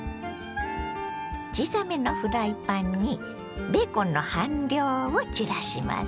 小さめのフライパンにベーコンの半量を散らします。